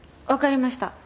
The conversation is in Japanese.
わかりました。